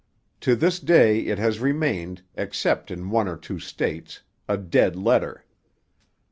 To this day it has remained, except in one or two states, a dead letter.